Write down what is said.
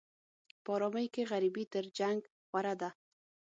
په ارامۍ کې غریبي تر جنګ غوره ده.